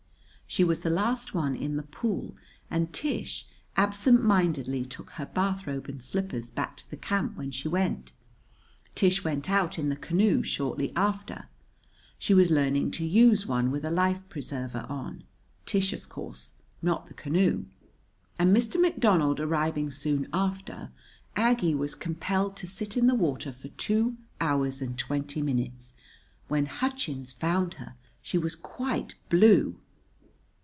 She was the last one in the pool, and Tish absent mindedly took her bathrobe and slippers back to the camp when she went. Tish went out in the canoe shortly after. She was learning to use one, with a life preserver on Tish, of course, not the canoe. And Mr. McDonald arriving soon after, Aggie was compelled to sit in the water for two hours and twenty minutes. When Hutchins found her she was quite blue.